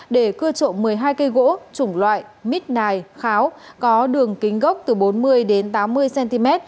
để cưa trộn một mươi hai cây gỗ trùng loại midnight kháo có đường kính gốc từ bốn mươi tám mươi cm